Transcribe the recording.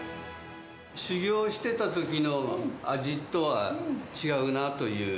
修業してたときの味とは違うなという。